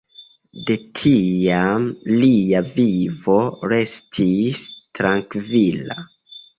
De tiam lia vivo restis trankvila.